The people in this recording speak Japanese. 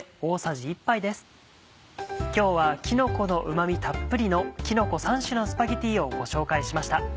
今日はきのこのうま味たっぷりの「きのこ３種のスパゲティ」をご紹介しました。